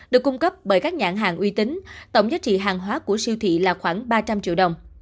được cung cấp bởi các nhãn hàng uy tín tổng giá trị hàng hóa của siêu thị là khoảng ba trăm linh triệu đồng